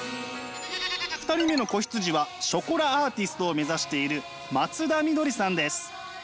２人目の子羊はショコラアーティストを目指している松田みどりさんです。